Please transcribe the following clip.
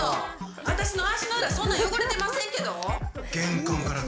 私の足の裏、そんなん汚れてませんけど？